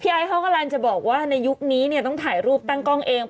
ไอ้เขากำลังจะบอกว่าในยุคนี้เนี่ยต้องถ่ายรูปตั้งกล้องเอง